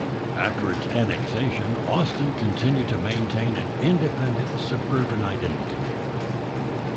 After its annexation, Austin continued to maintain an independent, suburban identity.